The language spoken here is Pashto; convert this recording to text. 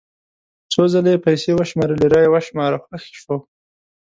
څو ځله یې پیسې وشمارلې را یې وشماره خوښ شو.